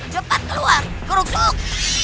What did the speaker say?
cepat keluar kruksuk